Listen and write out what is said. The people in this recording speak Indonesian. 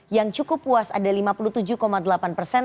yang cukup puas ada lima puluh tujuh delapan persen